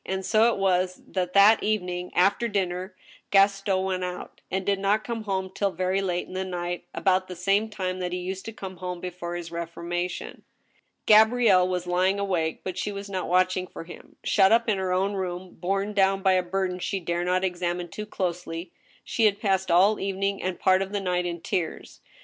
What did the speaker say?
And so it was that that evening after dinner Gaston went out, and did not come home till very late in the night, about the same time that he used to come home before his reformation. 212 THE STEEL HAMMER. Gabrielle was lying awake, but she was not watching for him. Shut up in her own room, borne clown by a burden she dared not examine too closely, she had passed ail the evening and part of the night in tears.